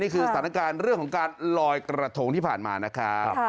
สถานการณ์เรื่องของการลอยกระทงที่ผ่านมานะครับ